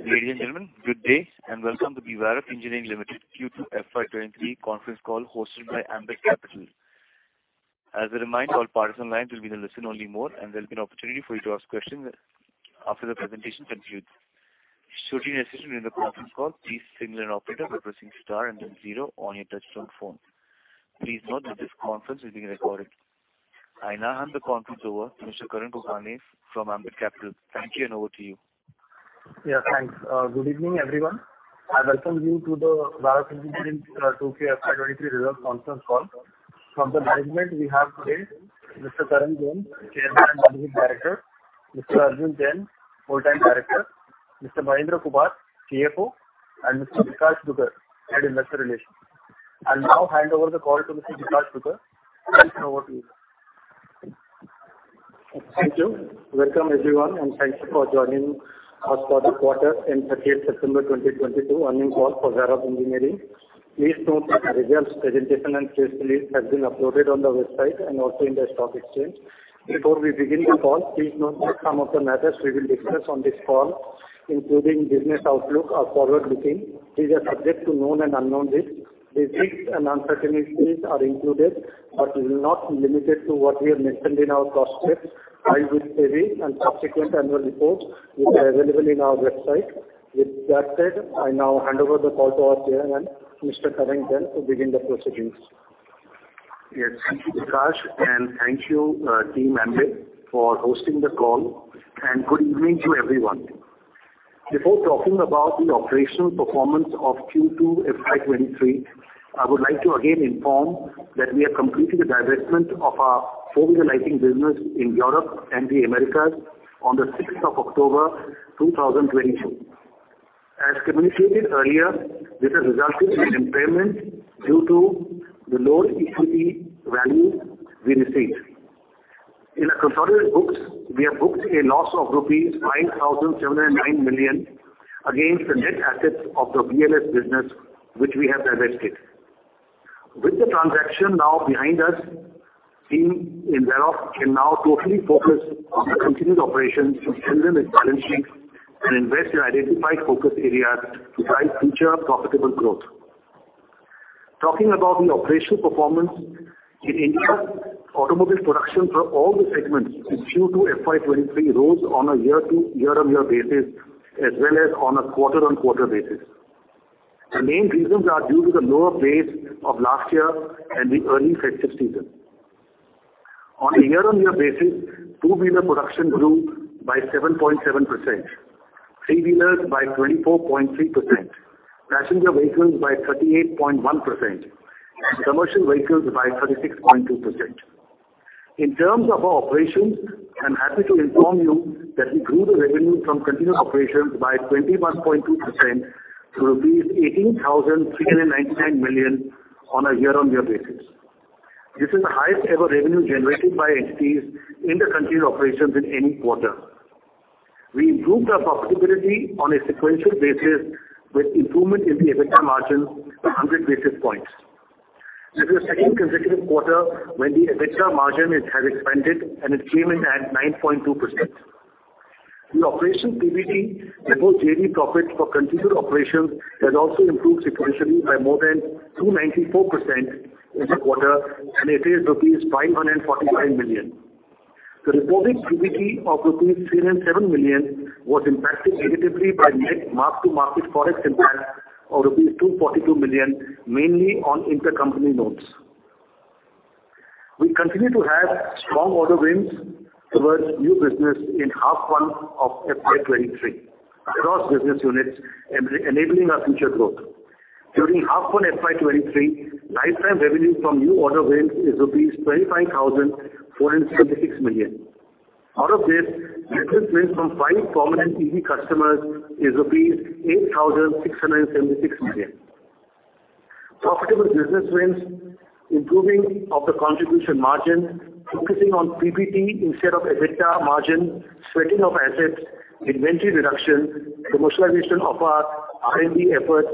Ladies and gentlemen, good day, and welcome to the Varroc Engineering Limited Q2 FY23 conference call hosted by Ambit Capital. As a reminder, all parties on the line will be in a listen-only mode, and there'll be an opportunity for you to ask questions after the presentation concludes. Should you need assistance during the conference call, please signal an operator by pressing star and then zero on your touchtone phone. Please note that this conference is being recorded. I now hand the conference over to Mr. Karan Kokane from Ambit Capital. Thank you, and over to you. Yeah, thanks. Good evening, everyone. I welcome you to the Varroc Engineering Q2 FY23 results conference call. From the management we have today Mr. Tarang Jain, Chairman and Managing Director, Mr. Arjun Jain, Whole-Time Director, Mr. Mahendra Kumar, CFO, and Mr. Vishal Raval, Head Investor Relations. I'll now hand over the call to Mr. Vishal Raval. Vishal, over to you. Thank you. Welcome, everyone, and thank you for joining us for this quarter-end 30th September 2022 earnings call for Varroc Engineering. Please note that the results, presentation, and press release has been uploaded on the website and also in the stock exchange. Before we begin the call, please note that some of the matters we will discuss on this call, including business outlook, are forward-looking. These are subject to known and unknown risks. The risks and uncertainties are included, but is not limited to what we have mentioned in our prospectus, annual summary, and subsequent annual reports, which are available in our website. With that said, I now hand over the call to our chairman, Mr. Tarang Jain, to begin the proceedings. Yes. Thank you, Vishal Raval, and thank you, team Ambit Capital for hosting the call, and good evening to everyone. Before talking about the operational performance of Q2 FY23, I would like to again inform that we are completing the divestment of our four-wheeler lighting business in Europe and the Americas on the sixth of October 2022. As communicated earlier, this has resulted in impairment due to the lower equity value we received. In our consortium books, we have booked a loss of rupees 579 million against the net assets of the VLS business which we have divested. With the transaction now behind us, team in Varroc can now totally focus on the continued operations to strengthen its balance sheet and invest in identified focus areas to drive future profitable growth. Talking about the operational performance in India, automobile production for all the segments in Q2 FY23 rose on a year-over-year basis as well as on a quarter-over-quarter basis. The main reasons are due to the lower base of last year and the early festive season. On a year-over-year basis, two-wheeler production grew by 7.7%, three-wheelers by 24.3%, passenger vehicles by 38.1%, and commercial vehicles by 36.2%. In terms of our operations, I'm happy to inform you that we grew the revenue from continued operations by 21.2% to rupees 18,399 million on a year-over-year basis. This is the highest ever revenue generated by entities in the continued operations in any quarter. We improved our profitability on a sequential basis with improvement in the EBITDA margin by 100 basis points. This is the second consecutive quarter when the EBITDA margin has expanded and it came in at 9.2%. The operating PBT before JV profit for continued operations has also improved sequentially by more than 294% in the quarter, and it is rupees 545 million. The reported PBT of rupees 307 million was impacted negatively by net mark-to-market forex impact of rupees 242 million, mainly on intercompany notes. We continue to have strong order wins towards new business in H1 FY23 across business units enabling our future growth. During H1 FY23, lifetime revenue from new order wins is rupees 25,476 million. Out of this, business wins from five prominent EV customers is rupees 8,676 million. Profitable business wins, improving of the contribution margin, focusing on PBT instead of EBITDA margin, sweating of assets, inventory reduction, commercialization of our R&D efforts,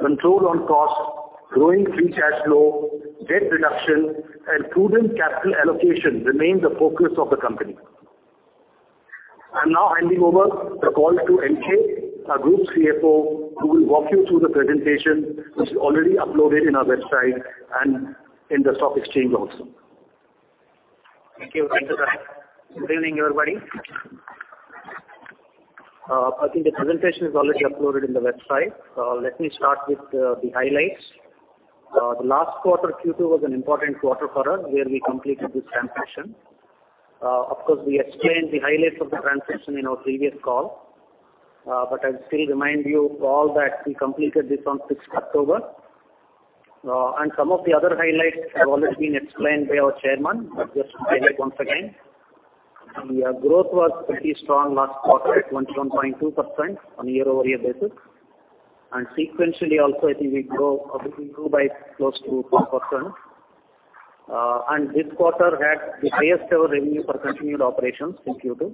control on costs, growing free cash flow, debt reduction, and prudent capital allocation remain the focus of the company. I'm now handing over the call to MK, our group CFO, who will walk you through the presentation, which is already uploaded in our website and in the stock exchange also. Thank you. Thank you, Tarang Jain. Good evening, everybody. I think the presentation is already uploaded in the website. Let me start with the highlights. The last quarter, Q2, was an important quarter for us, where we completed this transaction. Of course, we explained the highlights of the transaction in our previous call. I'll still remind you all that we completed this on sixth October 2022. Some of the other highlights have already been explained by our chairman, but just to highlight once again, our growth was pretty strong last quarter at 21.2% on a year-over-year basis. Sequentially also, I think we grew by close to 2%. This quarter had the highest ever revenue for continued operations in Q2.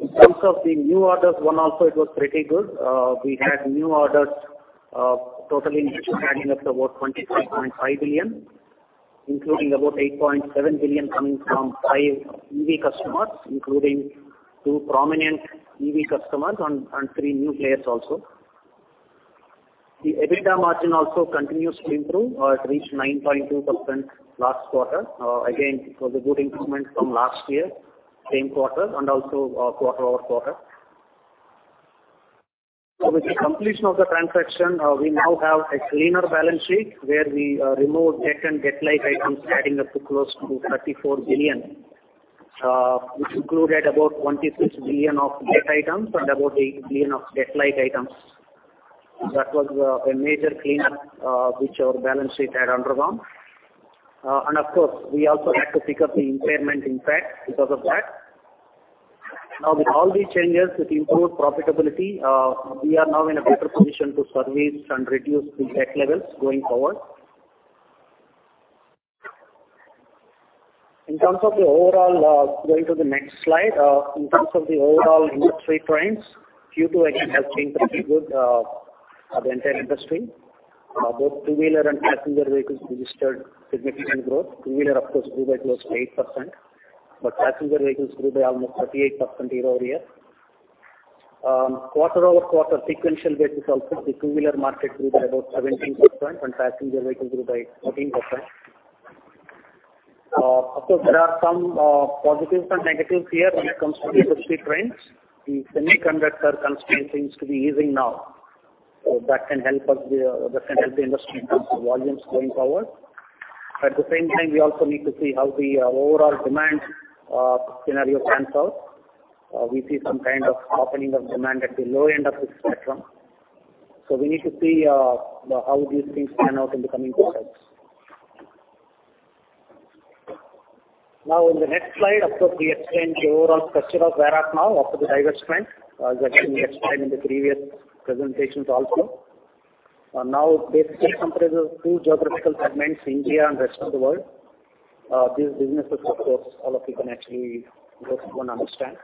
In terms of the new orders won also, it was pretty good. We had new orders, total in which we had wins of about 23.5 billion. Including about 8.7 billion coming from five EV customers, including two prominent EV customers and three new players also. The EBITDA margin also continues to improve, it reached 9.2% last quarter. Again, it was a good improvement from last year, same quarter and also, quarter-over-quarter. With the completion of the transaction, we now have a cleaner balance sheet where we, removed debt and debt-like items adding up to close to 34 billion. Which included about 26 billion of debt items and about 8 billion of debt-like items. That was a major cleanup, which our balance sheet had undergone. Of course, we also had to pick up the impairment impact because of that. Now with all these changes, with improved profitability, we are now in a better position to service and reduce the debt levels going forward. In terms of the overall, going to the next slide. In terms of the overall industry trends, Q2 again has been pretty good at the entire industry. Both two-wheeler and passenger vehicles registered significant growth. Two-wheeler, of course, grew by close to 8%, but passenger vehicles grew by almost 38% year-over-year. Quarter-over-quarter sequential basis also, the two-wheeler market grew by about 17% and passenger vehicles grew by 14%. Of course, there are some positives and negatives here when it comes to the industry trends. The semiconductor constraint seems to be easing now. That can help the industry in terms of volumes going forward. At the same time, we also need to see how the overall demand scenario pans out. We see some kind of softening of demand at the low end of the spectrum. We need to see how these things pan out in the coming quarters. Now in the next slide, of course, we explained the overall structure of Varroc now after the divestment, as I explained in the previous presentations also. Now this just comprises two geographical segments, India and rest of the world. These businesses of course all of you can actually understand.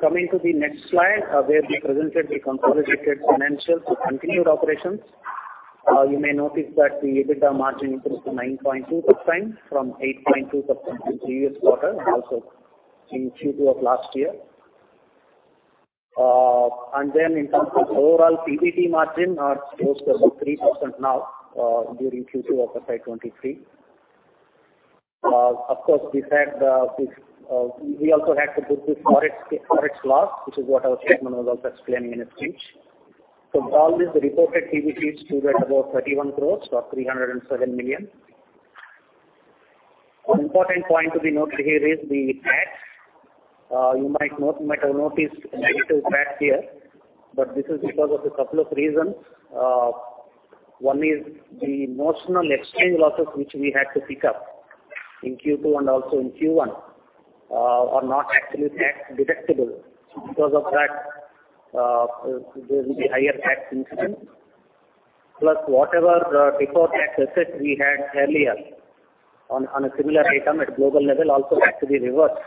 Coming to the next slide, where we presented the consolidated financials for continued operations. You may notice that the EBITDA margin improved to 9.2% from 8.2% in the previous quarter and also in Q2 of last year. In terms of overall PBT margin are close to about 3% now, during Q2 of FY23. Of course, we also had to book the Forex loss, which is what our chairman was also explaining in his speech. All this reported PBT stood at about 31 crores or $3.7 million. One important point to be noted here is the tax. You might have noticed negative tax here, but this is because of a couple of reasons. One is the notional exchange losses which we had to pick up in Q2 and also in Q1 are not actually tax deductible. Because of that, there will be higher tax incidence. Plus whatever deferred tax asset we had earlier on a similar item at global level also had to be reversed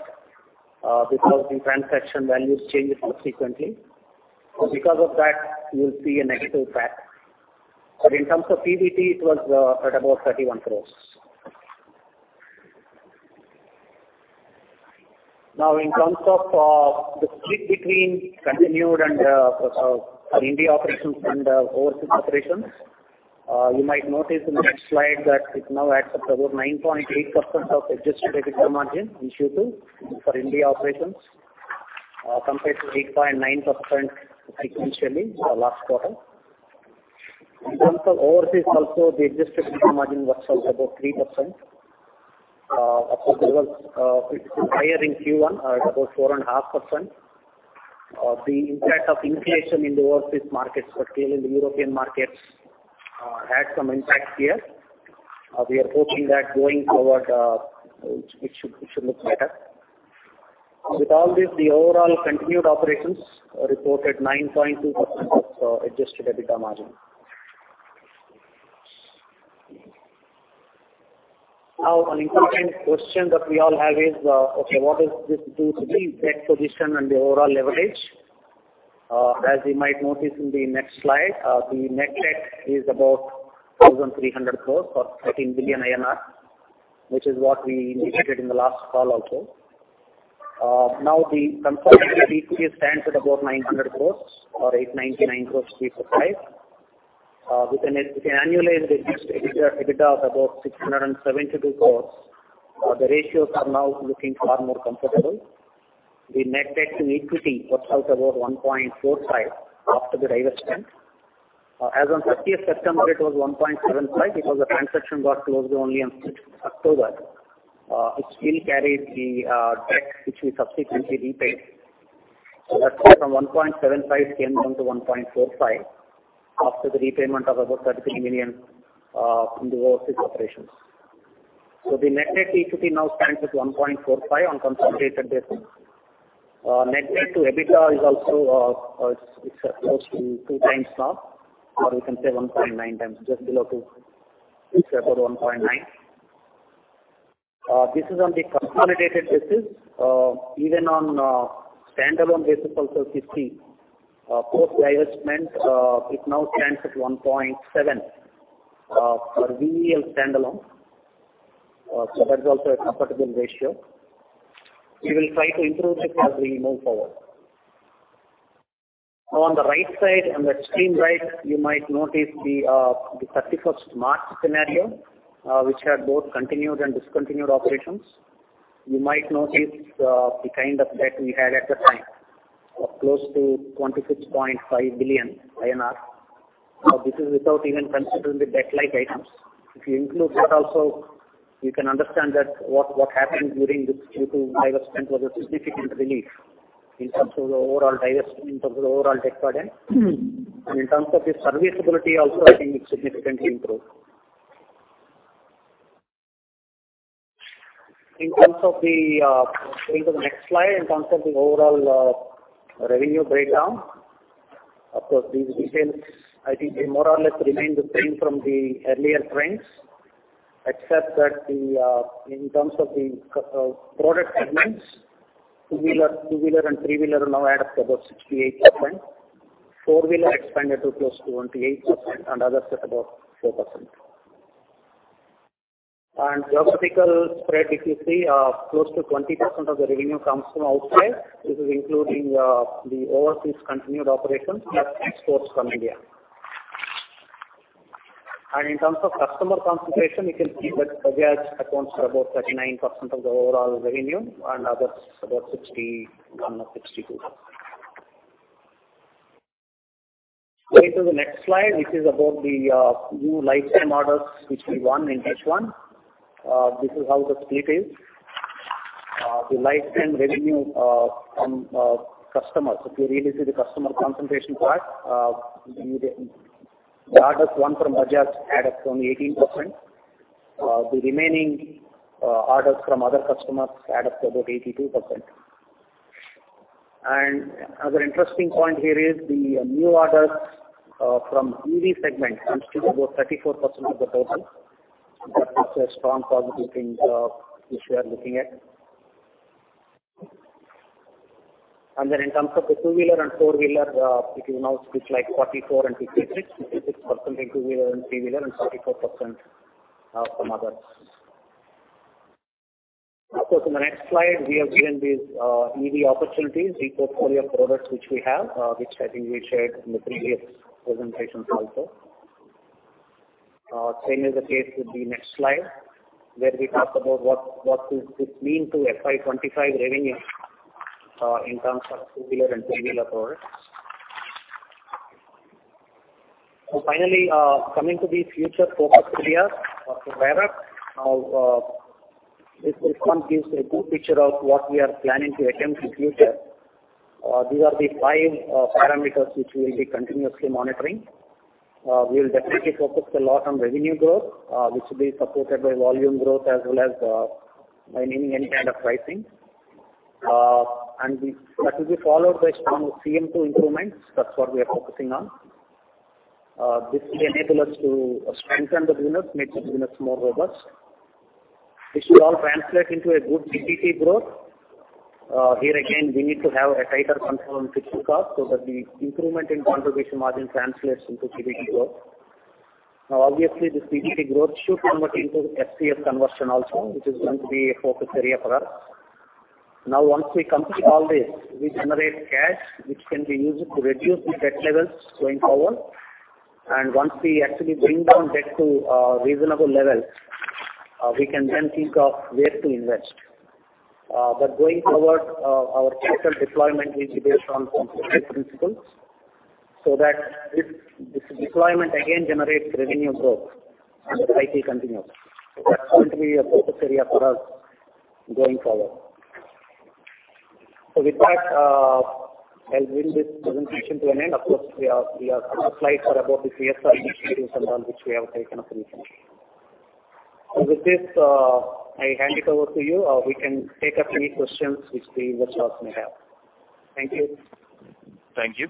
because the transaction values changed subsequently. Because of that you will see a negative tax. In terms of PBT, it was at about 31 crore. Now in terms of the split between continued and India operations and overseas operations, you might notice in the next slide that it now adds up about 9.8% of adjusted EBITDA margin in Q2 for India operations, compared to 8.9% sequentially last quarter. In terms of overseas also the adjusted EBITDA margin works out about 3%. Of course it was higher in Q1 at about 4.5%. The impact of inflation in the overseas markets, particularly the European markets, had some impact here. We are hoping that going forward, it should look better. With all this the overall continued operations reported 9.2% of adjusted EBITDA margin. Now an important question that we all have is, okay, what is this do to the debt position and the overall leverage? As you might notice in the next slide, the net debt is about 1,300 crores or 13 billion INR, which is what we indicated in the last call also. Now the consolidated equity stands at about 900 crores or 899.36 crores. With an annualized adjusted EBITDA of about 672 crores, the ratios are now looking far more comfortable. The net debt to equity works out about 1.45 after the divestment. As on thirtieth September, it was 1.75 because the transaction got closed only on sixth October. It still carried the debt which we subsequently repaid. That's why from 1.75, it came down to 1.45 after the repayment of about 30 million from the overseas operations. The net debt to equity now stands at 1.45 on consolidated basis. Net debt to EBITDA is also, it's close to 2x now, or you can say 1.9x just below 2. It's about 1.9. This is on the consolidated basis. Even on standalone basis also 1.5. Post divestment, it now stands at 1.7 for VEL standalone. That's also a comfortable ratio. We will try to improve it as we move forward. Now, on the right side, on the extreme right, you might notice the 31st March scenario, which had both continued and discontinued operations. You might notice the kind of debt we had at that time of close to 26.5 billion INR. Now, this is without even considering the debt-like items. If you include that also, you can understand that what happened during this due to divestment was a significant relief in terms of the overall divestment, in terms of overall debt burden. In terms of the serviceability also, I think it significantly improved. In terms of going to the next slide, in terms of the overall revenue breakdown. Of course, these details, I think they more or less remain the same from the earlier trends, except that in terms of the product segments, two-wheeler and three-wheeler now add up to about 68%. Four-wheeler expanded to close to 28% and others at about 4%. Geographical spread, if you see, close to 20% of the revenue comes from outside. This is including the overseas continued operations plus exports from India. In terms of customer concentration, you can see that Bajaj accounts for about 39% of the overall revenue and others about 61% or 62%. Going to the next slide, which is about the new lifetime orders which we won in H1. This is how the split is. The lifetime revenue from customers. If you really see the customer concentration part, the orders won from Bajaj add up to only 18%. The remaining orders from other customers add up to about 82%. Another interesting point here is the new orders from EV segment comes to about 34% of the total. That is a strong positive thing, which we are looking at. In terms of the two-wheeler and four-wheeler, it is now split like 44 and 56% in two-wheeler and three-wheeler and 44%, from others. Of course, in the next slide we have given these, EV opportunities, the portfolio products which we have, which I think we shared in the previous presentations also. Same is the case with the next slide, where we talk about what does this mean to FY25 revenue, in terms of two-wheeler and three-wheeler products. Finally, coming to the future focus areas for Varroc, this one gives a good picture of what we are planning to attempt in future. These are the five parameters which we will be continuously monitoring. We will definitely focus a lot on revenue growth, which will be supported by volume growth as well as by any kind of pricing. That will be followed by strong CM2 improvements. That's what we are focusing on. This will enable us to strengthen the business, makes the business more robust. This will all translate into a good PBT growth. Here again, we need to have a tighter control on fixed costs so that the improvement in contribution margin translates into PBT growth. Now obviously, this PBT growth should convert into FCF conversion also, which is going to be a focus area for us. Now, once we complete all this, we generate cash which can be used to reduce the debt levels going forward. Once we actually bring down debt to reasonable levels, we can then think of where to invest. Going forward, our capital deployment will be based on conservative principles so that this deployment again generates revenue growth and the cycle continues. That's going to be a focus area for us going forward. With that, I'll bring this presentation to an end. Of course, we have some slides that are about the CSR initiatives and all which we have taken up recently. With this, I hand it over to you. We can take up any questions which the virtual may have. Thank you. Thank you.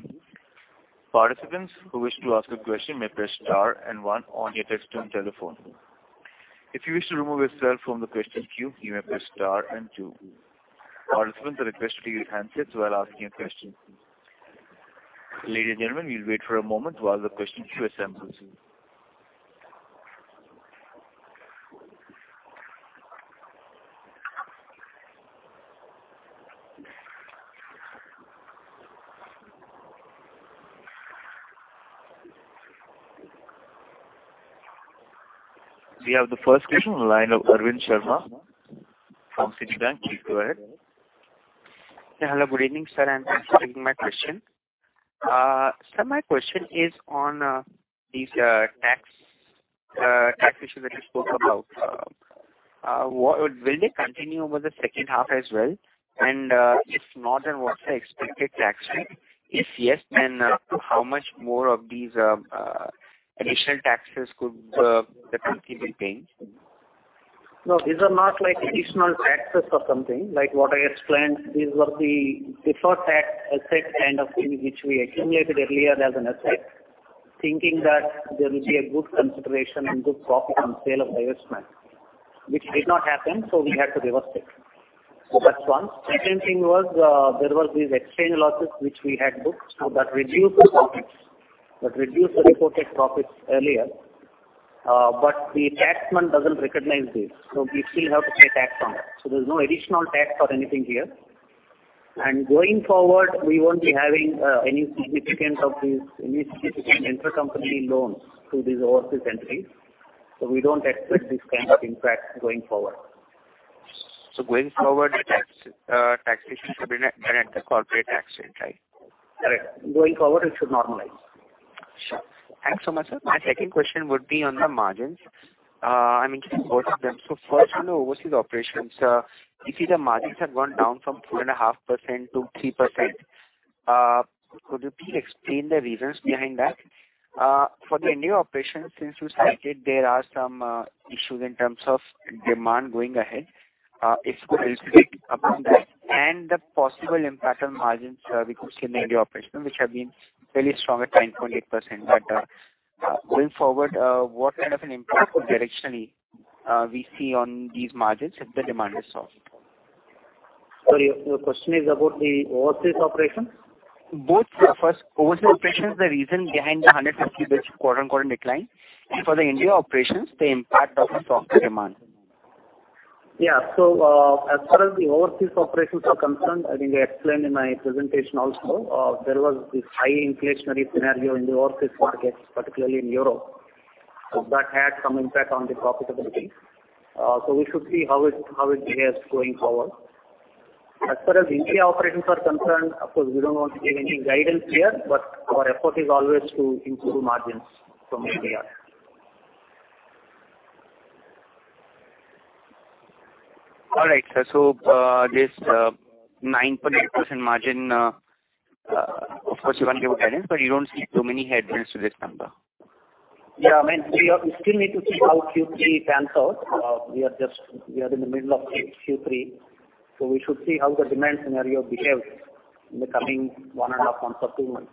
Participants who wish to ask a question may press star and one on your touchtone telephone. If you wish to remove yourself from the question queue, you may press star and two. Participants are requested to use handsets while asking a question. Ladies and gentlemen, we'll wait for a moment while the question queue assembles. We have the first question on the line of Arvind Sharma from Citigroup. Please go ahead. Yeah. Hello, good evening, sir, and thanks for taking my question. Sir, my question is on these tax issues that you spoke about. Will they continue over the H2 as well? If not, then what's the expected tax rate? If yes, then how much more of these additional taxes could the company be paying? No, these are not like additional taxes or something. Like what I explained, these were the deferred tax asset kind of thing which we accumulated earlier as an asset. Thinking that there will be a good consideration and good profit on sale of investment, which did not happen, so we had to reverse it. That's one. Second thing was, there was these exchange losses which we had booked. So that reduced the profits. That reduced the reported profits earlier. The taxman doesn't recognize this, so we still have to pay tax on it. There's no additional tax or anything here. Going forward, we won't be having any significant intercompany loans to these overseas entities. We don't expect this kind of impact going forward. Going forward, the taxation should be at the corporate tax rate, right? Correct. Going forward, it should normalize. Sure. Thanks so much, sir. My second question would be on the margins. I mean, both of them. First, on the overseas operations, we see the margins have gone down from 4.5% to 3%. Could you please explain the reasons behind that? For the India operations, since you stated there are some issues in terms of demand going ahead, if you could elaborate upon that and the possible impact on margins we could see in India operations, which have been fairly strong at 9.8%. Going forward, what kind of an impact could directionally we see on these margins if the demand is soft? Sorry, your question is about the overseas operations? Both. First, overseas operations, the reason behind the 150 basis point decline. For the India operations, the impact of softer demand. As far as the overseas operations are concerned, I think I explained in my presentation also, there was this high inflationary scenario in the overseas markets, particularly in Europe. That had some impact on the profitability. We should see how it behaves going forward. As far as India operations are concerned, of course, we don't want to give any guidance here, but our effort is always to improve margins from where we are. All right, sir. This 9.8% margin, of course you won't give a guidance, but you don't see too many headwinds to this number. Yeah, I mean, we still need to see how Q3 pans out. We are in the middle of Q3. We should see how the demand scenario behaves in the coming one and a half months or two months.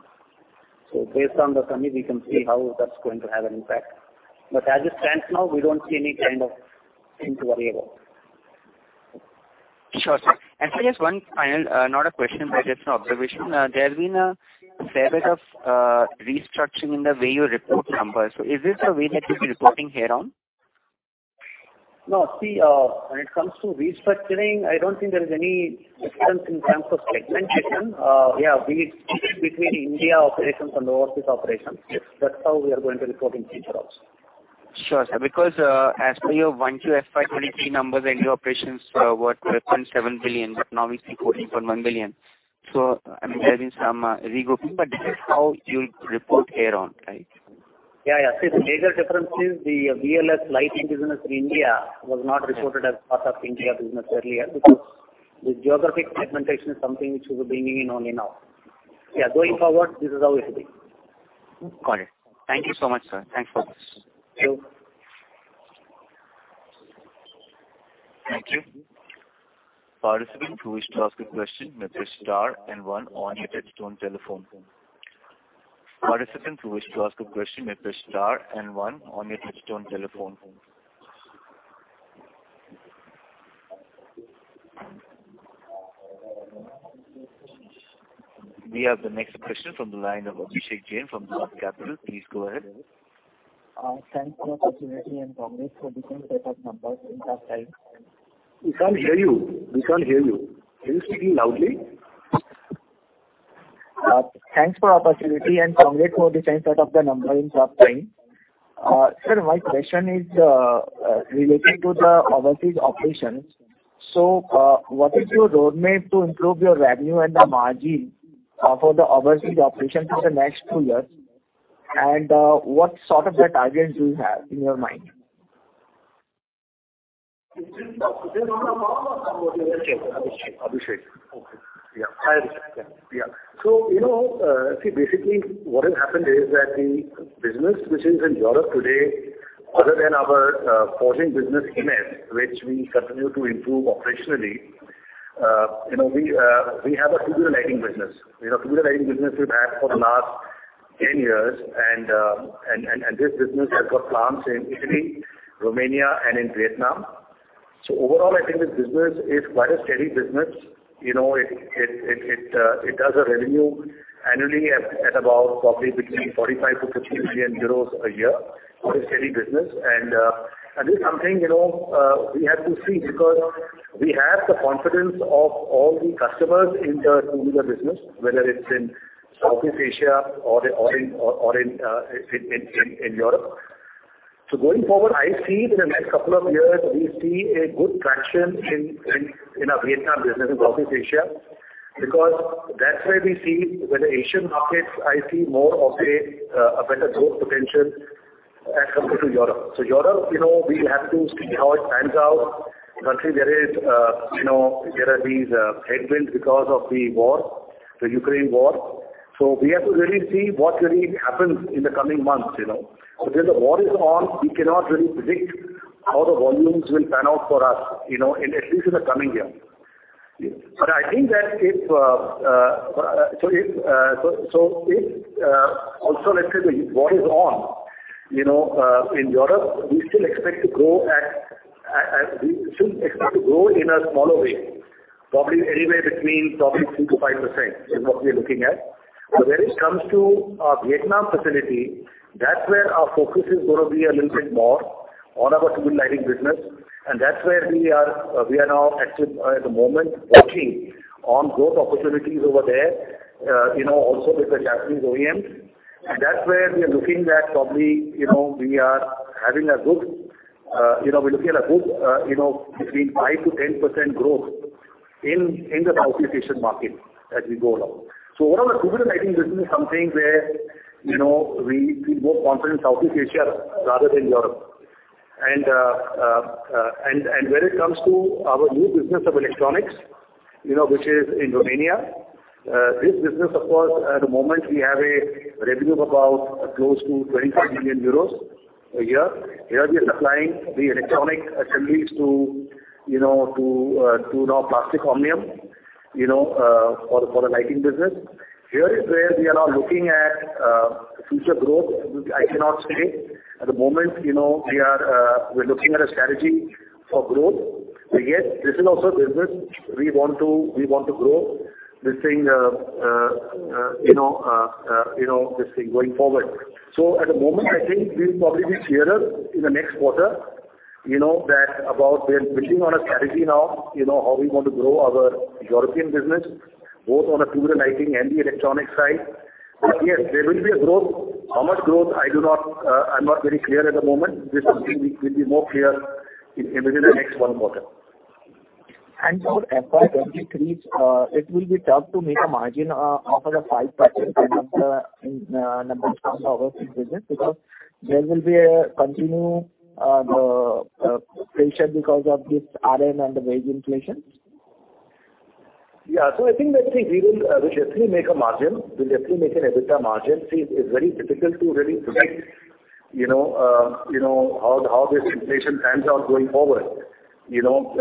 Based on the same, we can see how that's going to have an impact. As it stands now, we don't see any kind of thing to worry about. Sure, sir. Sir, just one final, not a question, but just an observation. There has been a fair bit of restructuring in the way you report numbers. Is this the way that you'll be reporting here on? No. See, when it comes to restructuring, I don't think there is any difference in terms of segmentation. Yeah, we split between India operations and overseas operations. That's how we are going to report in future also. Sure, sir. Because, as per your Q1 FY23 numbers, India operations were at 0.7 billion, but now we see 14.1 billion. I mean, there has been some regrouping, but this is how you'll report here on, right? Yeah, yeah. See, the major difference is the VLS lighting business in India was not reported as part of India business earlier because the geographic segmentation is something which we're bringing in only now. Yeah, going forward, this is how it will be. Got it. Thank you so much, sir. Thanks for this. Thank you. Thank you. Participants who wish to ask a question may press star and one on your touchtone telephone. Participants who wish to ask a question may press star and one on your touchtone telephone. We have the next question from the line of Abhishek Jain from Dolat Capital. Please go ahead. Thanks for the opportunity and congrats for the same set of numbers in tough times. We can't hear you. We can't hear you. Can you speak loudly? Thanks for the opportunity and congrats for the same set of the numbers in tough time. Sir, my question is relating to the overseas operations. What is your roadmap to improve your revenue and the margin for the overseas operations for the next two years? What sort of the targets do you have in your mind? Abhishek. Okay. Yeah. I understand. Yeah. You know, see, basically what has happened is that the business which is in Europe today, other than our forging business in it, which we continue to improve operationally, you know, we have a two-wheeler lighting business. You know, two-wheeler lighting business we've had for the last 10 years and this business has got plants in Italy, Romania and in Vietnam. Overall, I think this business is quite a steady business. You know, it does a revenue annually at about probably between 45 million-50 million euros a year. It's a steady business and this is something, you know, we have to see because we have the confidence of all the customers in the tubular business, whether it's in Southeast Asia or in Europe. Going forward, I see in the next couple of years, we see a good traction in our Vietnam business in Southeast Asia, because that's where we see with the Asian markets, I see more of a better growth potential as compared to Europe. Europe, you know, we have to see how it pans out. Currently there is, you know, there are these headwinds because of the war, the Ukraine war. We have to really see what really happens in the coming months, you know. Because the war is on, we cannot really predict how the volumes will pan out for us, you know, in at least the coming year. I think that also let's say the war is on, you know, in Europe, we still expect to grow in a smaller way, probably anywhere between 2%-5% is what we are looking at. When it comes to our Vietnam facility, that's where our focus is gonna be a little bit more on our two-wheeler lighting business. That's where we are now active at the moment working on growth opportunities over there, you know, also with the Japanese OEMs. That's where we are looking at probably, you know, a good 5%-10% growth in the Southeast Asian market as we go along. Overall, the two-wheeler, I think this is something where, you know, we feel more confident in Southeast Asia rather than Europe. When it comes to our new business of electronics, you know, which is in Romania, this business of course at the moment we have a revenue of about close to 25 million euros a year. Here we are supplying the electronic assemblies to, you know, to Plastic Omnium, you know, for the lighting business. Here is where we are now looking at future growth. I cannot say. At the moment, you know, we're looking at a strategy for growth. Yes, this is also a business we want to grow this thing going forward. At the moment, I think we'll probably be clearer in the next quarter, you know, about how we're pushing on a strategy now, you know, how we want to grow our European business, both on the two-wheeler lighting and the electronics side. Yes, there will be a growth. How much growth? I'm not very clear at the moment. This will be more clear within the next one quarter. For FY23, it will be tough to make a margin of the 5% in numbers from our business because there will be a continued pressure because of this RM and the wage inflation. I think that we will we'll definitely make a margin. We'll definitely make an EBITDA margin. See, it's very difficult to really predict, you know, how this inflation pans out going forward. You know,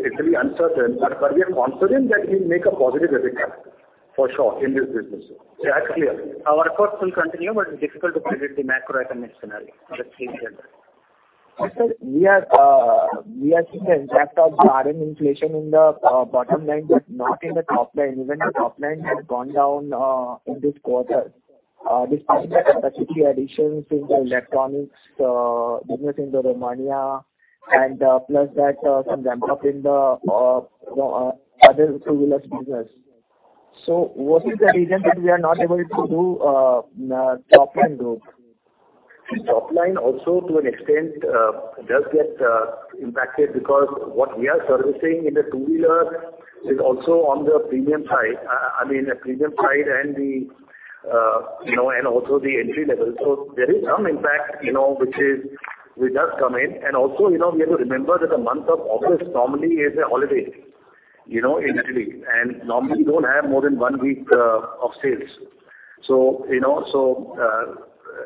it's really uncertain. We are confident that we'll make a positive EBITDA for sure in this business. That's clear. Our workforce will continue, but it's difficult to predict the macroeconomics scenario for the future. Sir, we are seeing the impact of the RM inflation in the bottom line, but not in the top line. Even the top line has gone down in this quarter despite the capacity additions in the electronics business in Romania and plus that some ramp-up in the other two-wheelers business. What is the reason that we are not able to do top line growth? Top line also to an extent does get impacted because what we are servicing in the two-wheeler is also on the premium side. I mean, the premium side and the, you know, and also the entry level. There is some impact, you know, which does come in. We have to remember that the month of August normally is a holiday, you know, in Italy, and normally you don't have more than one week of sales.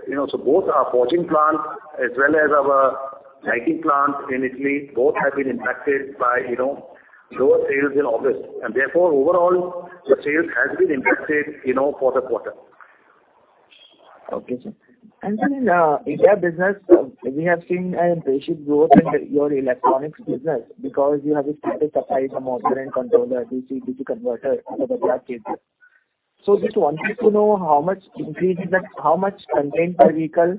Both our forging plant as well as our lighting plant in Italy both have been impacted by, you know, lower sales in August. Therefore overall, the sales has been impacted, you know, for the quarter. Okay, sir. Then in India business, we have seen an impressive growth in your electronics business because you have started supplying the motor and controller, DC-DC converter for the Bajaj RE. Just wanted to know how much increase is that, how much content per vehicle,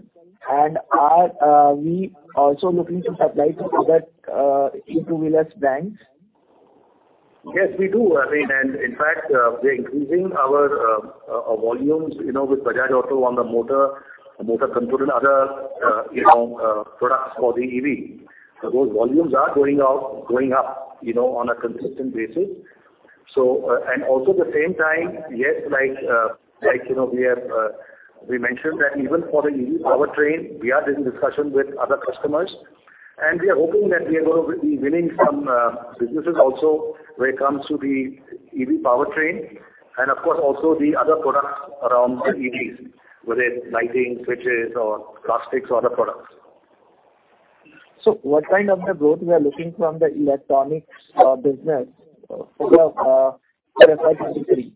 and are we also looking to supply to other e-two-wheelers brands? Yes, we do. I mean, in fact, we're increasing our volumes, you know, with Bajaj Auto on the motor control and other, you know, products for the EV. Those volumes are going up, you know, on a consistent basis. We mentioned that even for the EV powertrain, we are in discussion with other customers, and we are hoping that we are gonna be winning some businesses also when it comes to the EV powertrain and of course also the other products around the EVs, whether it's lighting, switches or plastics or other products. What kind of the growth we are looking from the electronics business for FY23?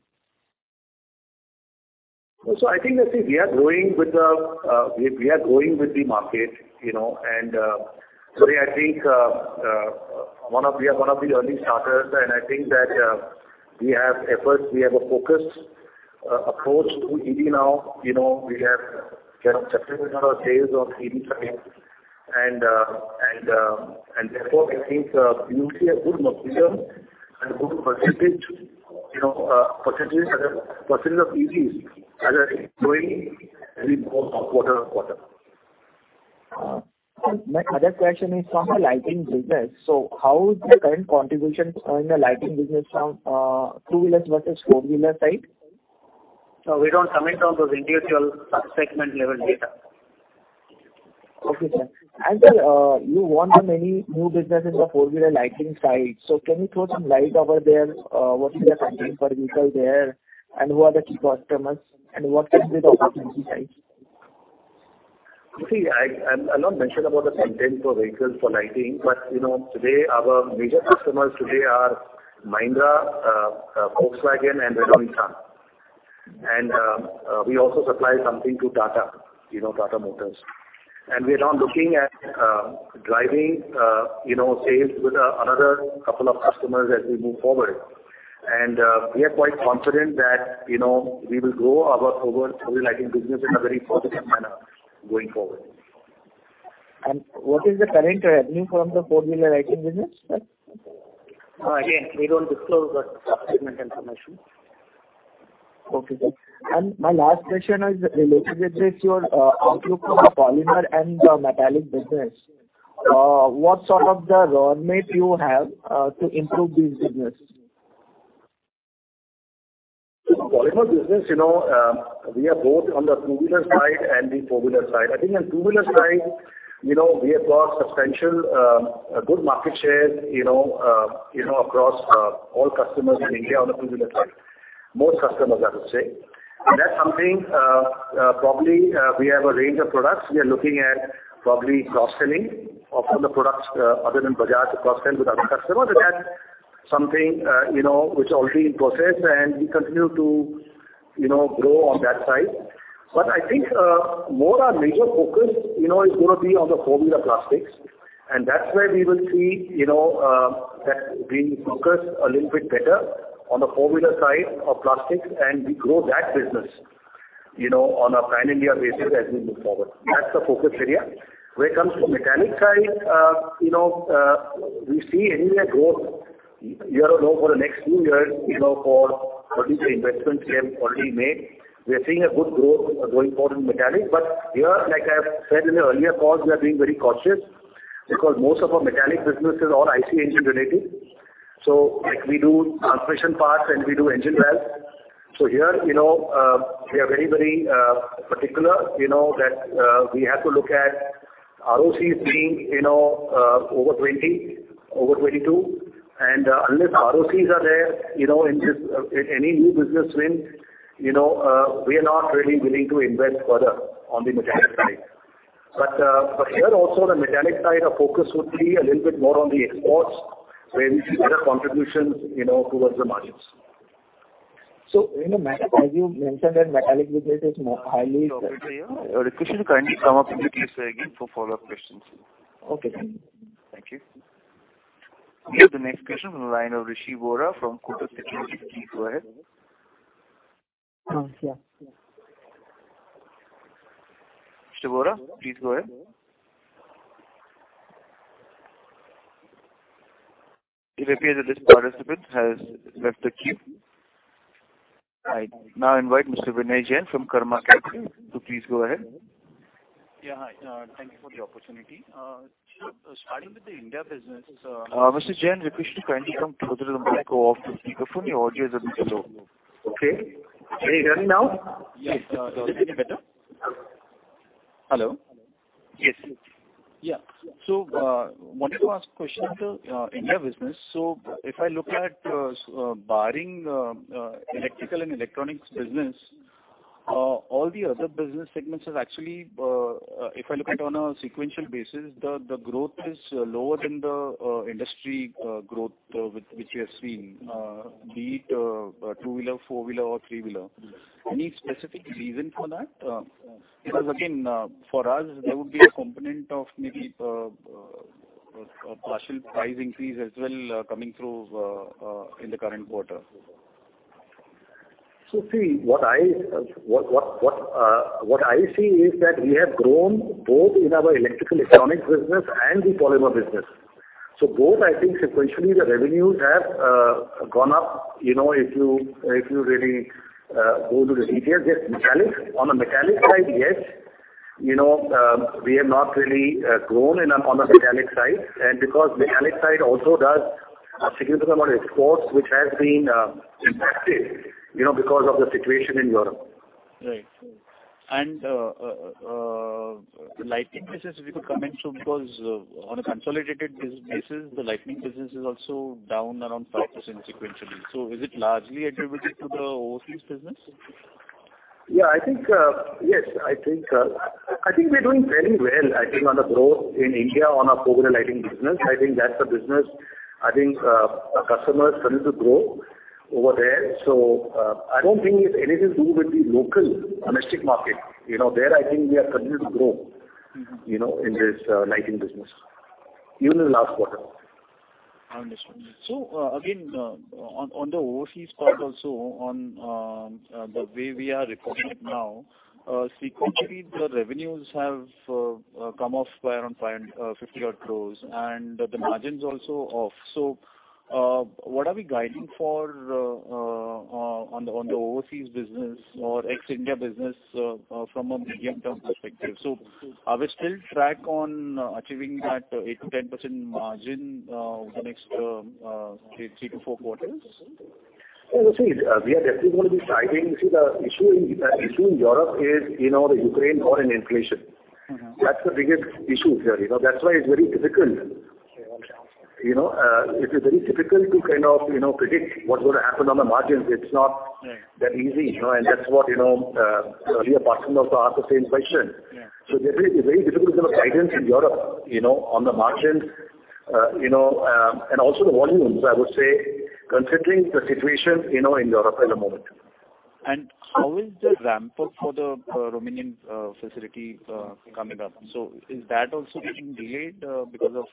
I think that we are growing with the market, you know. We are one of the early starters, and I think that we have efforts, we have a focused approach to EV now. You know, we have kind of several years of EV time. Therefore I think we will see a good momentum and good percentage of EVs as we're growing every quarter-over-quarter. My other question is from the lighting business. How is the current contribution in the lighting business from two-wheelers versus four-wheeler side? We don't comment on those individual sub-segment level data. Okay, sir. Sir, you won many new businesses on the four-wheeler lighting side. Can you throw some light over there? What is the content per vehicle there, and who are the key customers, and what is the opportunity size? See, I'm not mentioning about the content for vehicles for lighting. You know, today our major customers today are Mahindra & Mahindra, Volkswagen and Renault-Nissan. We also supply something to Tata, you know, Tata Motors. We are now looking at driving, you know, sales with another couple of customers as we move forward. We are quite confident that, you know, we will grow our overall lighting business in a very positive manner going forward. What is the current revenue from the four-wheeler lighting business? Again, we don't disclose that segment information. Okay. My last question is related with this, your outlook on the polymer and the metallic business. What sort of the roadmap you have to improve this business? Polymer business, you know, we are both on the two-wheeler side and the four-wheeler side. I think on two-wheeler side, you know, we have got substantial, good market share, you know, across all customers in India on the two-wheeler side. Most customers, I would say. That's something, probably, we have a range of products. We are looking at probably cross-selling of the products, other than Bajaj to cross-sell with other customers. That's something, you know, which is already in process, and we continue to, you know, grow on that side. I think, more our major focus, you know, is gonna be on the four-wheeler plastics, and that's where we will see, you know, that being focused a little bit better on the four-wheeler side of plastics, and we grow that business, you know, on a pan-India basis as we move forward. That's the focus area. When it comes to metallic side, you know, we see anyway a growth year on year for the next few years, you know, for particularly investments we have already made. We are seeing a good growth going forward in metallic. Here, like I've said in the earlier calls, we are being very cautious because most of our metallic business is all IC engine related. So like we do transmission parts and we do engine valves. Here, you know, we are very particular, you know, that we have to look at ROCEs being, you know, over 22. Unless ROCEs are there, you know, in this, in any new business win, you know, we are not really willing to invest further on the metallic side. Here also the metallic side, our focus would be a little bit more on the exports where we see better contribution, you know, towards the margins. In a manner, as you mentioned that metallic business is more highly- Abhishek Jain, request you to kindly sum up your views again for follow-up questions. Okay, thank you. Thank you. We have the next question from the line of Rishi Vora from Kotak Securities. Please go ahead. Yeah. Mr. Vora, please go ahead. It appears that this participant has left the queue. I now invite Mr. Vinay Jain from Karma Capital. Please go ahead. Yeah. Hi. Thank you for the opportunity. Starting with the India business. Mr. Jain, request you to kindly come closer to the mic or off the speakerphone. Your audio is a bit low. Okay. Can you hear me now? Yes. Is it any better? Hello? Yes. Yeah. Wanted to ask question on the India business. If I look at, barring electrical and electronics business, all the other business segments is actually, if I look at on a sequential basis, the growth is lower than the industry growth which we have seen, be it two-wheeler, four-wheeler or three-wheeler. Any specific reason for that? Because again, for us, there would be a component of maybe partial price increase as well coming through in the current quarter. See, what I see is that we have grown both in our electrical and electronics business and the polymer business. Both, I think sequentially the revenues have gone up, you know, if you really go to the details. Yes, metallic. On the metallic side, yes. You know, we have not really grown on the metallic side. Because the metallic side also does a significant amount of exports, which has been impacted, you know, because of the situation in Europe. Right. Lighting business, if you could comment too, because on a consolidated basis, the lighting business is also down around 5% sequentially. Is it largely attributable to the overseas business? Yeah, I think yes. I think we are doing very well, I think, on the growth in India on our four-wheeler lighting business. I think that's a business, I think, our customers continue to grow over there. I don't think it's anything to do with the local domestic market. You know, there, I think we are continuing to grow, you know, in this lighting business, even in the last quarter. Understood. Again, on the overseas part also on the way we are recording it now, sequentially the revenues have come off by around 550 odd crore and the margins also off. What are we guiding for on the overseas business or ex-India business from a medium-term perspective? Are we still on track on achieving that 8%-10% margin over the next three to four quarters? Yeah. See, we are definitely going to be guiding. See the issue in Europe is, you know, the Ukraine war and inflation. Mm-hmm. That's the biggest issue here. You know, that's why it's very difficult. You know, it is very difficult to kind of, you know, predict what's gonna happen on the margins. It's not. Right. That easy, you know. Right. That's what, you know, earlier partner also asked the same question. Yeah. Definitely very difficult to give a guidance in Europe, you know, on the margins, and also the volumes, I would say, considering the situation, you know, in Europe at the moment. How is the ramp-up for the Romanian facility coming up? Is that also getting delayed because of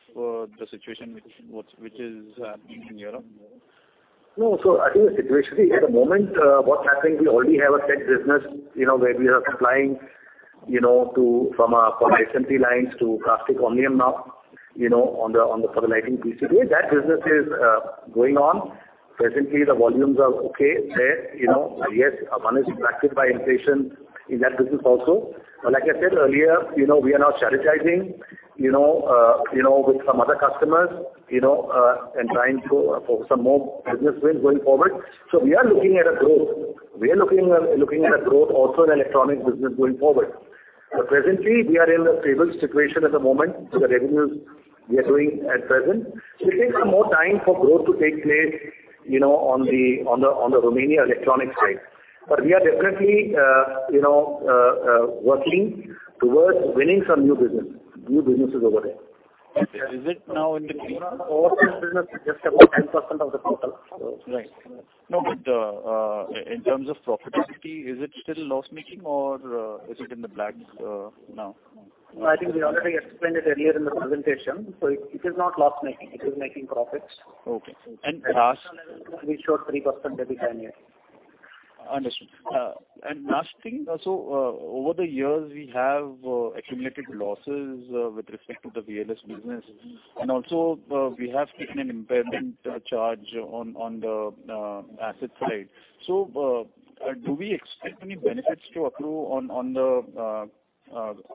the situation which is in Europe? No. I think the situation at the moment, what's happening, we already have a set business, you know, where we are supplying, you know, from our assembly lines to Plastic Omnium only enough, you know, for the lighting PCB. That business is going on. Presently, the volumes are okay there, you know. Yes, one is impacted by inflation in that business also. Like I said earlier, you know, we are now strategizing, you know, with some other customers, you know, and trying to for some more business wins going forward. We are looking at a growth. We are looking at a growth also in electronic business going forward. Presently we are in a stable situation at the moment. The revenues we are doing at present. It takes some more time for growth to take place, you know, on the Romanian electronics side. We are definitely, you know, working towards winning some new businesses over there. Is it now in the. Overseas business is just about 10% of the total. Right. No, but, in terms of profitability, is it still loss-making or is it in the black now? I think we already explained it earlier in the presentation. It is not loss-making, it is making profits. Okay. We showed 3% EBITDA year. Understood. Last thing also, over the years, we have accumulated losses with respect to the VLS business, and also, we have taken an impairment charge on the asset side. Do we expect any benefits to accrue on the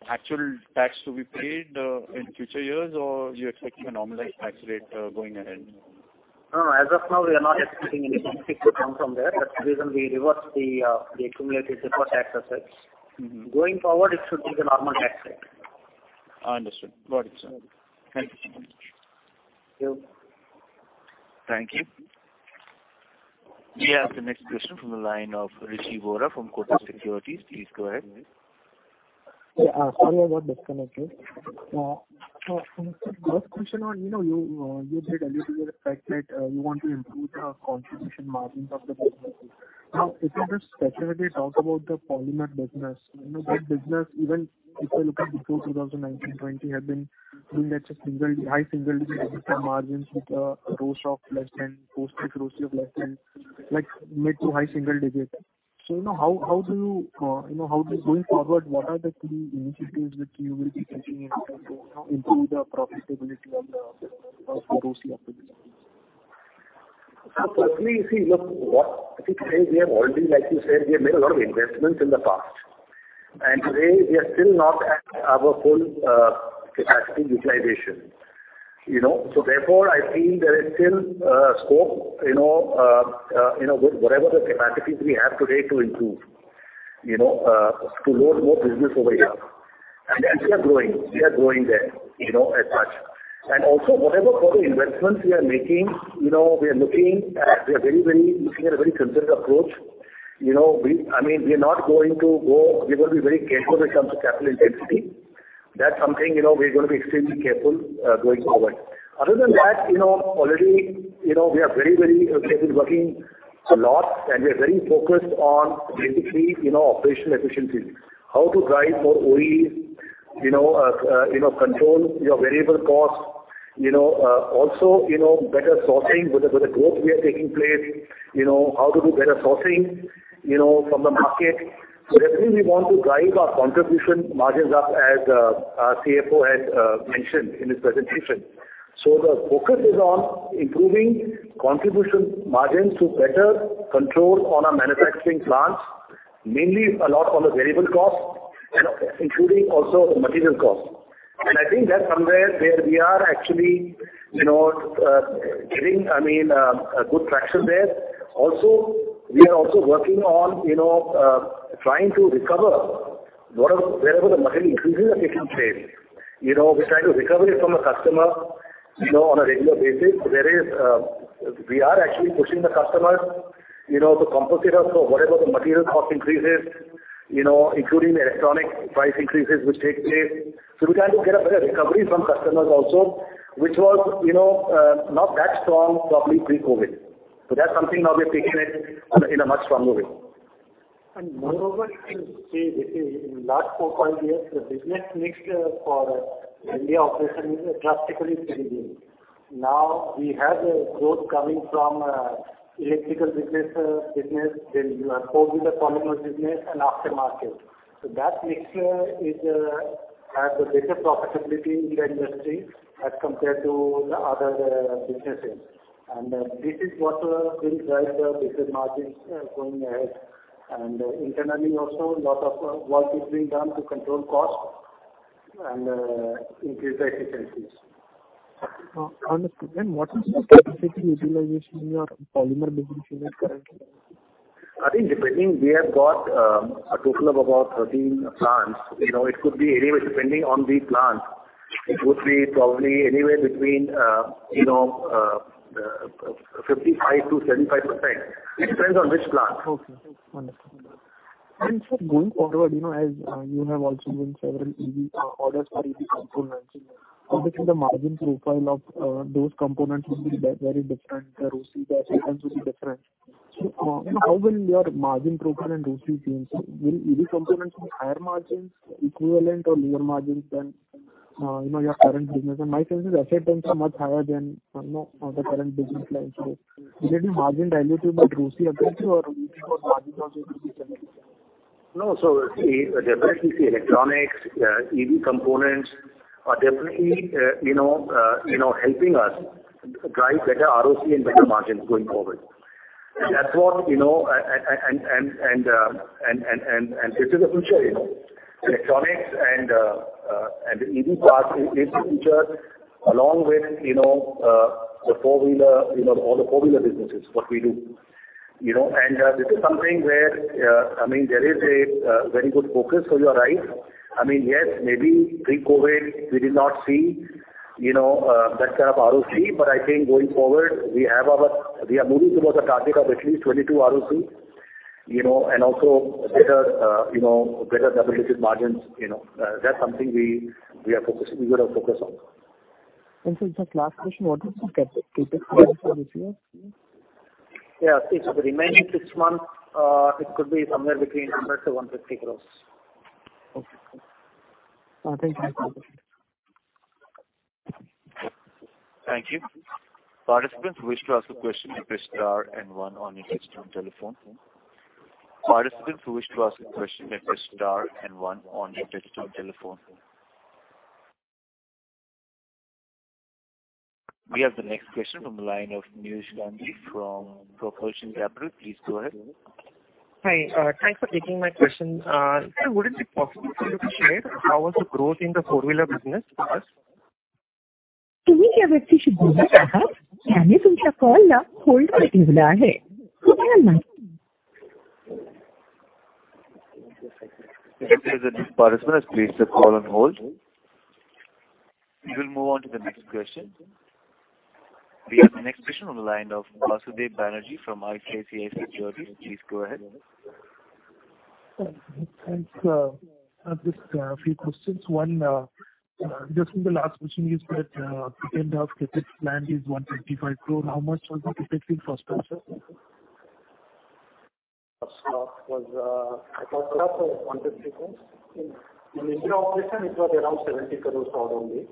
actual tax to be paid in future years or you're expecting a normalized tax rate going ahead? No, as of now, we are not expecting anything to come from there. That's the reason we reversed the accumulated deferred tax assets. Mm-hmm. Going forward, it should be the normal tax rate. Understood. Got it, sir. Thank you so much. Thank you. Thank you. We have the next question from the line of Rishi Vora from Kotak Securities. Please go ahead. Sorry about disconnect here. First question on, you know, you said earlier the fact that you want to improve the contribution margins of the business. Now, if you just specifically talk about the polymer business. You know that business even if you're looking before 2019-2020 have been doing at high single-digit EBITDA margins with a gross of less than post-tax gross of less than, like mid- to high-single-digit. Now how do you going forward, what are the key initiatives that you will be taking in order to, you know, improve the profitability of the gross profit business? Firstly, see, look what I think today we have already, like you said, we have made a lot of investments in the past. Today we are still not at our full capacity utilization, you know. Therefore, I feel there is still scope, you know, with whatever the capacities we have today to improve. You know, to load more business over here. We are growing. We are growing there, you know, as much. Also whatever further investments we are making, you know, we are very, very looking at a very conservative approach. You know, I mean, we are not going to go. We will be very careful when it comes to capital intensity. That's something, you know, we're gonna be extremely careful going forward. Other than that, you know, already, you know, we are very, very okay with working a lot, and we are very focused on basically, you know, operational efficiencies. How to drive more OE, you know, control our variable costs. You know, also, you know, better sourcing with the growth taking place. You know, how to do better sourcing, you know, from the market. So definitely we want to drive our contribution margins up as our CFO has mentioned in his presentation. So the focus is on improving contribution margins to better control on our manufacturing plants, mainly a lot on the variable costs and including also material costs. I think that's somewhere where we are actually, you know, getting, I mean, a good traction there. Also, we are also working on, you know, trying to recover wherever the material increases have taken place. You know, we're trying to recover it from the customer, you know, on a regular basis. Whereas, we are actually pushing the customers, you know, to compensate us for whatever the material cost increases, you know, including the electronic price increases which take place. We're trying to get a better recovery from customers also, which was, you know, not that strong probably pre-COVID. That's something now we're taking it in a much stronger way. Moreover, you can see this is in last four-five years, the business mixture for India operation is drastically changing. Now we have growth coming from electrical business, then your four-wheeler polymer business and aftermarket. That mixture has a better profitability in the industry as compared to the other businesses. This is what will drive the business margins going ahead. Internally also, lot of work is being done to control costs and increase the efficiencies. Understood. What is the capacity utilization in your polymer business unit currently? I think depending, we have got a total of about 13 plants. You know, it could be anywhere depending on the plant. It would be probably anywhere between 55%-75%. It depends on which plant. Okay. Wonderful. Going forward, you know, as you have also won several EV orders for EV components, obviously the margin profile of those components will be very different, the ROCEs, the returns will be different. So, you know, how will your margin profile and ROCE change? Will EV components be higher margins, equivalent or lower margins than, you know, your current business? And my sense is asset turns are much higher than, you know, other current business lines. So will it be margin dilutive but ROCE accretive or even more margin accretive to the company? No. The electronics EV components are definitely helping us drive better ROCE and better margins going forward. That's what you know and this is the future you know. Electronics and EV parts is the future along with the four-wheeler all the four-wheeler businesses what we do. This is something where I mean there is a very good focus. You are right. I mean, yes, maybe pre-COVID we did not see you know that kind of ROC, but I think going forward, we are moving towards a target of at least 22 ROC, you know, and also better better EBITDA margins. You know, that's something we are focusing. We gotta focus on. Sir, just last question. What is the CapEx for this year? Yeah. It's the remaining six months, it could be somewhere between 100-150 crores. Okay. Thank you very much. Thank you. Participants who wish to ask a question may press star and one on your touchtone telephone. We have the next question from the line of Miyush Gandhi from Propulsion Capital. Please go ahead. Hi. Thanks for taking my question. Sir, would it be possible for you to share how was the growth in the four-wheeler business? The participant has placed the call on hold. We will move on to the next question. We have the next question on the line of Basudeb Banerjee from ICICI Securities. Please go ahead. Thanks, I have just a few questions. One, just on the last question, you said, at the end of CapEx plan is 155 crore. How much was the CapEx in Q1? H1 was 150 crores. In India operation it was around 70 crores for only.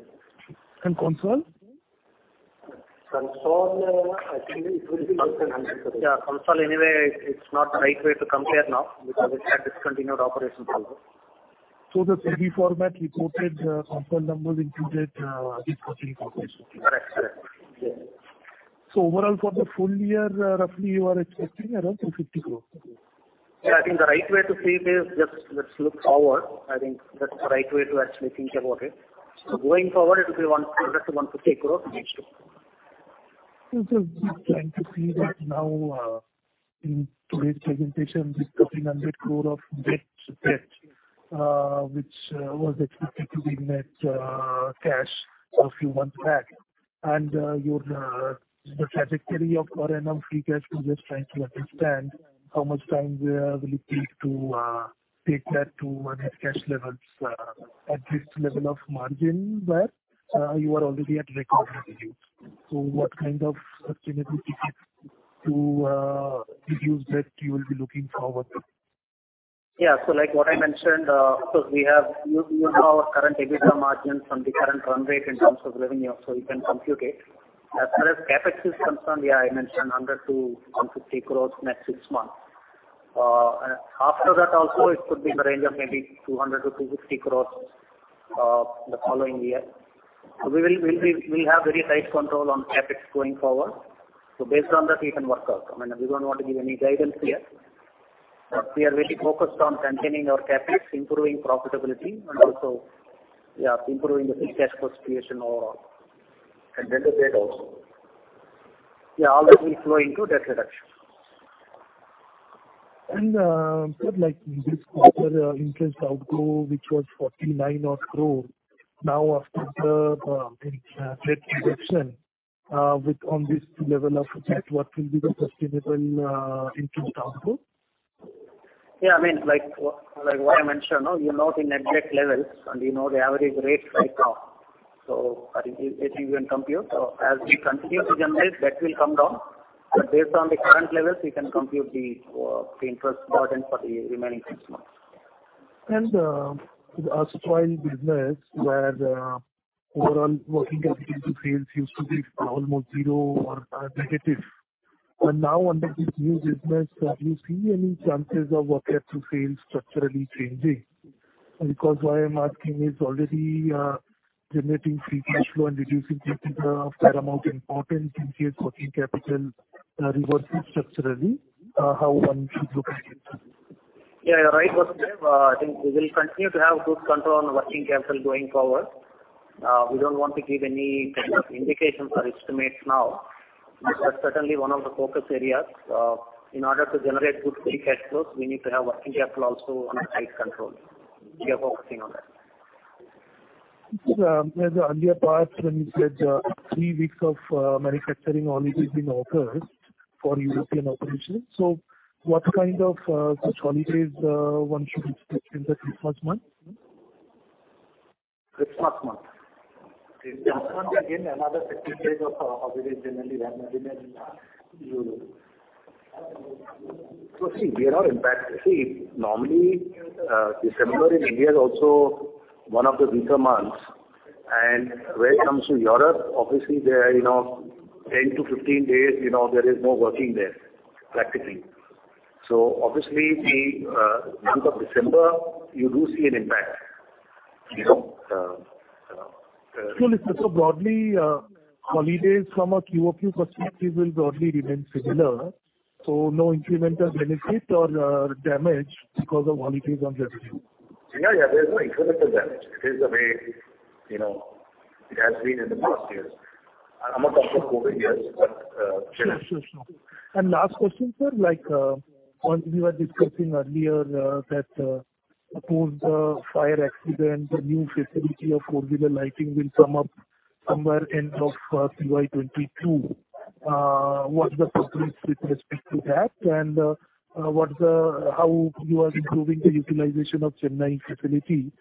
Consol? Consolidated, I think it will be close to 100 crores. Yeah. Consolidated anyway, it's not the right way to compare now because it had discontinued operations also. The semi-annual reported consolidated numbers included this INR 14 crores. Correct. Correct. Yes. Overall for the full year, roughly you are expecting around 250 crores? Yeah. I think the right way to see it is just look forward. I think that's the right way to actually think about it. Going forward it will be 100-150 crores next year. Just trying to see that now, in today's presentation with 1,300 crore of net debt, which was expected to be net cash a few months back. The trajectory of your current and free cash flow, just trying to understand how much time will it take to take that to manageable cash levels at this level of margin where you are already at record levels. What kind of sustainability to reduce debt you will be looking forward to? Like what I mentioned, so we have, you know our current EBITDA margins from the current run rate in terms of revenue, so you can compute it. As far as CapEx is concerned, yeah, I mentioned 100-150 crores next six months. After that also it could be in the range of maybe 200-250 crores, the following year. We will have very tight control on CapEx going forward. So based on that you can work out. I mean, we don't want to give any guidance here, but we are really focused on maintaining our CapEx, improving profitability and also, yeah, improving the free cash flow situation overall. Then the debt also. Yeah, all that will flow into debt reduction. Like this quarter, interest outflow, which was 49 odd crore, now after the debt reduction, with on this level of debt, what will be the sustainable interest output? Yeah, I mean, like what I mentioned, no, you know the net debt levels and you know the average rates right now. I think this you can compute. As we continue to generate, debt will come down. But based on the current levels, you can compute the interest burden for the remaining six months. With Astral business where overall working capital to sales used to be almost zero or negative. Now under this new business, do you see any chances of working capital sales structurally changing? Because why I'm asking is already generating free cash flow and reducing CapEx are of paramount importance in case working capital reverses structurally, how one should look at it. Yeah, you're right, Pradeep. I think we will continue to have good control on working capital going forward. We don't want to give any kind of indications or estimates now. That's certainly one of the focus areas. In order to generate good free cash flows, we need to have working capital also under tight control. We are focusing on that. Sir, earlier part when you said three weeks of manufacturing holiday has been observed for European operations. What kind of such holidays one should expect in the Christmas month? Christmas month. Yes. Christmas month again, another 50 days of holidays generally happen in Europe. Normally, December in India is also one of the weaker months. When it comes to Europe, obviously, there are, you know, 10-15 days, you know, there is no working there, practically. Obviously, the month of December, you do see an impact. You know. Listen, so broadly, holidays from a QOQ perspective will broadly remain similar, so no incremental benefit or damage because of holidays on that issue? Yeah, yeah. There's no incremental damage. It is the way, you know, it has been in the past years. I'm not talking of COVID years, but. Sure. Last question, sir. Like, when we were discussing earlier, post the fire accident, the new facility of four-wheeler lighting will come up somewhere end of FY22. What's the progress with respect to that? How are you improving the utilization of Chennai facility?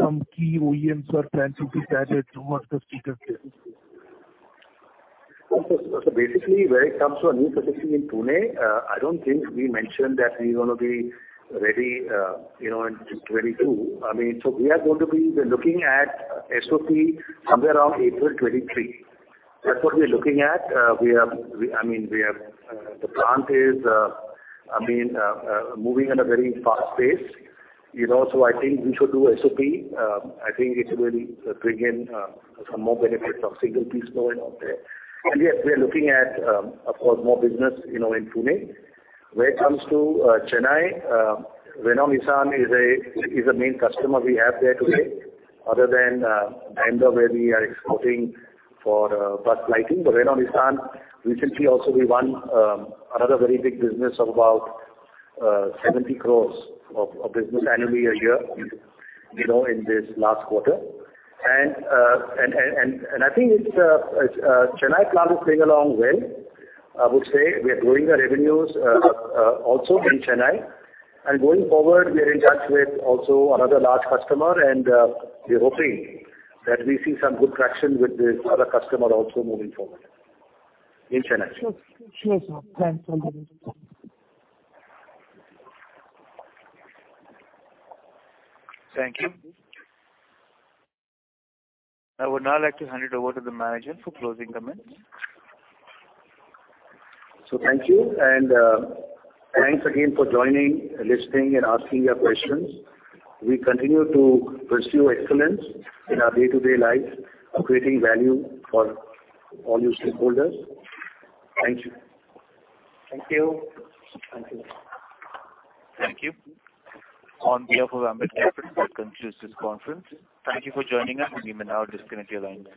Some key OEMs are planned to be added. What's the status there? Basically, when it comes to our new facility in Pune, I don't think we mentioned that we're gonna be ready, you know, in 2022. I mean, we are going to be, we're looking at SOP somewhere around April 2023. That's what we're looking at. We, I mean, we are, the plant is, I mean, moving at a very fast pace. You know, I think we should do SOP. I think it will bring in some more benefit of single-piece flow and all that. Yes, we are looking at, of course, more business, you know, in Pune. When it comes to Chennai, Renault-Nissan is a main customer we have there today, other than Daimler, where we are exporting for bus lighting. Renault-Nissan, recently also we won another very big business of about 70 crores of business annually a year, you know, in this last quarter. I think it's Chennai plant is playing along well. I would say we are growing our revenues also in Chennai. Going forward, we are in touch with also another large customer, and we're hoping that we see some good traction with this other customer also moving forward in Chennai. Sure, sir. Thanks. Thank you. I would now like to hand it over to the manager for closing comments. Thank you, and, thanks again for joining, listening, and asking your questions. We continue to pursue excellence in our day-to-day lives of creating value for all you stakeholders. Thank you. Thank you. Thank you. Thank you. On behalf of Ambit Capital, that concludes this conference. Thank you for joining us, and we may now disconnect your lines.